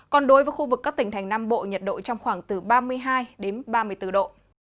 còn đối với khu vực các tỉnh thành nam bộ nhiệt độ trong khoảng từ ba mươi hai đến ba mươi bốn độ